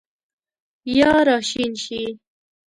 یا راشین شي